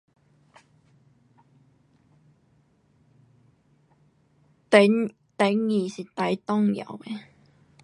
登，登记是最重要的。